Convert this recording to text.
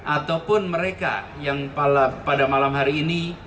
ataupun mereka yang pada malam hari ini